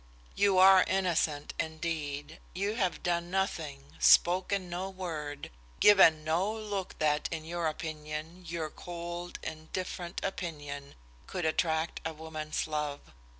You are innocent, indeed; you have done nothing, spoken no word, given no look that, in your opinion, your cold indifferent opinion, could attract a woman's love.